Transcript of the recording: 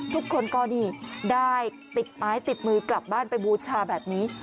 ทุกคนก็นี่ได้ติดไม้ติดมือกลับบ้านไปบูชาแบบนี้